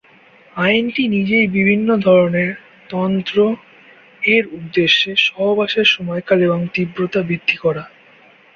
আইনটি নিজেই বিভিন্ন ধরণের তন্ত্র, এর উদ্দেশ্য সহবাসের সময়কাল এবং তীব্রতা বৃদ্ধি করা।